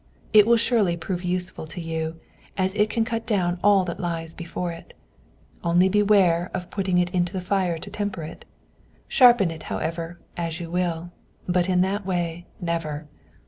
It will surely prove useful to you, as it can cut down all that lies before it. Only beware of putting it into the fire to temper it. Sharpen it, however, as you will, but in that way never."